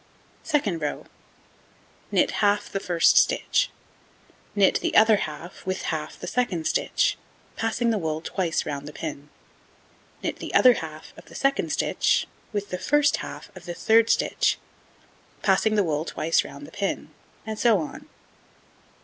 Second row: Knit half the 1st stitch, knit the other half with half the 2d stitch, passing the wool twice round the pin, knit the other half of the 2d stitch with the 1st half of the 3d stitch, passing the wool twice round the pin, and so on.